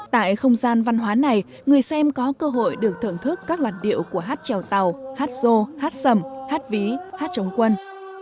tại không gian văn hóa này người xem có cơ hội được thưởng thức các làn điệu của hát trèo tàu hát ru hát sầm hát ví hát chống quân